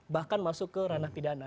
bahkan masuk ke ranah pidana